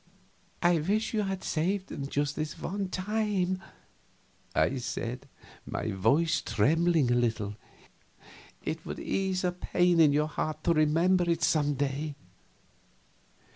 "I wish you had saved him just this one time," I said, my voice trembling a little; "it would ease a pain in your heart to remember it some day."